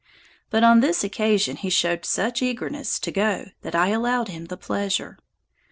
But on this occasion he showed such eagerness to go that I allowed him the pleasure.